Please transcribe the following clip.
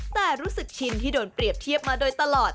แต่รู้สึกชินที่โดนเปรียบเทียบมาโดยตลอด